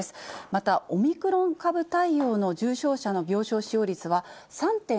またオミクロン株対応の重症者の病床使用率は３．５％。